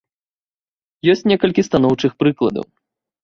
Ёсць некалькі станоўчых прыкладаў.